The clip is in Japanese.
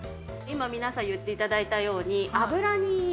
今皆さん言っていただいたように。